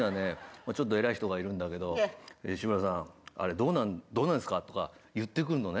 まあちょっと偉い人がいるんだけど「志村さんあれどうなんですか？」とか言ってくるのね。